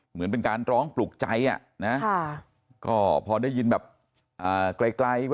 เหมือนเป็นการร้องปลุกใจอ่ะนะก็พอได้ยินแบบไกล